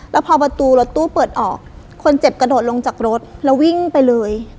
แล้วพอประตูรถตู้เปิดออกคนเจ็บกระโดดลงจากรถแล้ววิ่งไปเลย